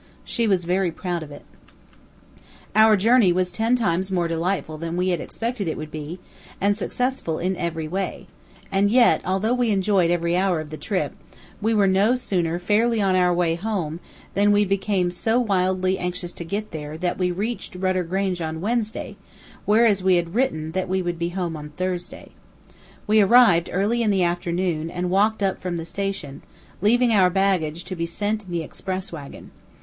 She was very proud of it. Our journey was ten times more delightful than we had expected it would be, and successful in every way; and yet, although we enjoyed every hour of the trip, we were no sooner fairly on our way home than we became so wildly anxious to get there, that we reached Rudder Grange on Wednesday, whereas we had written that we would be home on Thursday. We arrived early in the afternoon and walked up from the station, leaving our baggage to be sent in the express wagon.